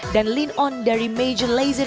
dan lean on dari major league